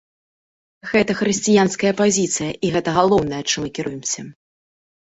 Гэта хрысціянская пазіцыя, і гэта галоўнае, чым мы кіруемся.